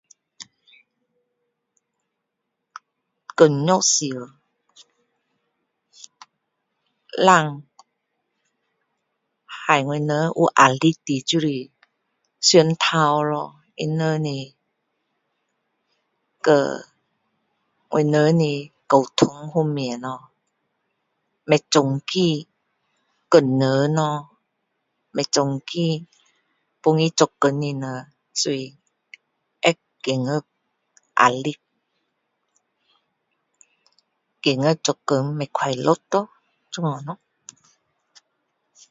工作时让害我们有压力的就是上头咯他们的和我们的沟通方面咯不尊敬工人咯不尊敬帮他做工的人所以会觉得压力觉得做工不快乐咯这样咯